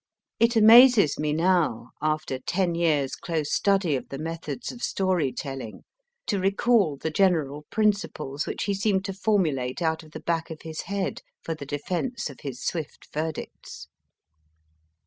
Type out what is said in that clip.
It amazes me no\v, after ten years close study of the methods of story telling, to recall the general principles which he seemed to formulate out of the back of his head for the defence of his swift verdicts.